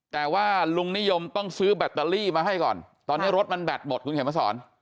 แต่ว่าลุงนิยมต้องซื้อแบตเตอรี่มาให้ก่อนตอนนี้รถมันแบตหมดคุณเขียนมาสอน